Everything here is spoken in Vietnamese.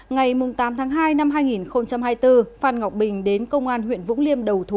ngày tám tháng hai năm hai nghìn hai mươi bốn phan ngọc bình đến công an huyện vũng liêm đầu thú